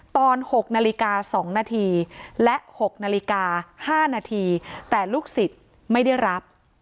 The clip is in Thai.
ตอน๖นาฬิกา๒นาทีและ๖นาฬิกา๕นาทีแต่ลูกศิษย์ไม่ได้รับ